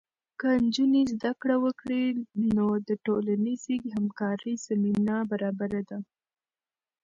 که نجونې زده کړه وکړي، نو د ټولنیزې همکارۍ زمینه برابره ده.